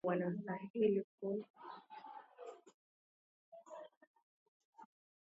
Si te das cuenta ye una viesca embruxada.